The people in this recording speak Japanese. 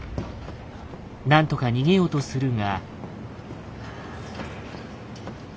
何とか逃げようとするが。